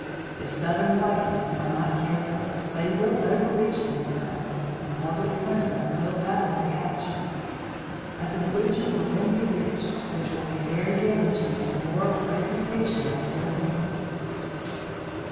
If Southern white men are not careful, they will overreach themselves and public sentiment will have a reaction; a conclusion will then be reached which will be very damaging to the moral reputation of their women.